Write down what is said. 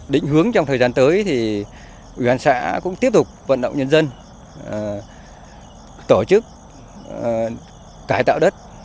định hướng trong thời gian tới thì ủy ban xã cũng tiếp tục vận động nhân dân tổ chức cải tạo đất